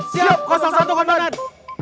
siap satu komandan